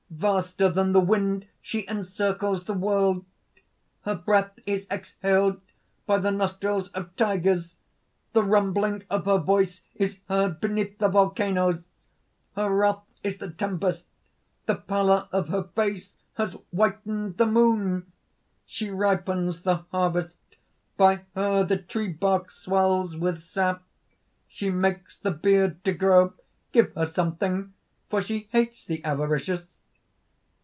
Vaster than the wind she encircles the world. Her breath is exhaled by the nostrils of tigers; the rumbling of her voice is heard beneath the volcanoes; her wrath is the tempest; the pallor of her face has whitened the moon. She ripens the harvest; by her the tree bark swells with sap; she makes the beard to grow. Give her something; for she hates the avaricious!"